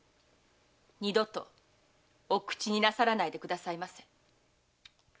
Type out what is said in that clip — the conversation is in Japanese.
二度とお口になさらないでくださいませ！